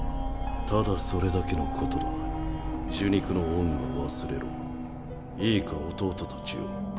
ただそれだけのことだ受肉の恩は忘れろいいか弟たちよ